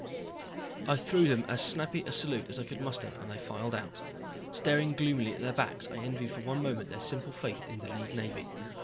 I threw them as snappy a salute as I could muster and they filed out. Staring gloomily at their backs I envied for one moment their simple faith in the League Navy.